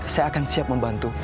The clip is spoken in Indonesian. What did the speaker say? saya akan siap membantu